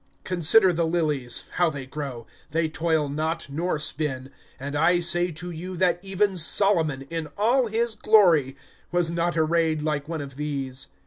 (27)Consider the lilies, how they grow; they toil not, nor spin; and I say to you, that even Solomon, in all his glory was not arrayed like one of these.